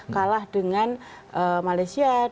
kalah dengan malaysia